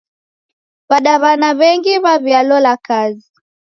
W'adaw'ana w'engi w'aw'ialola kazi.